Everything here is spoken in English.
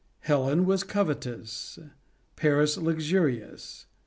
Helen was covetous, Paris luxurious.